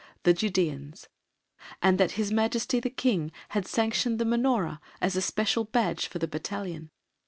the Judæans, and that H.M. the King had sanctioned the Menorah as a special badge for the Battalion.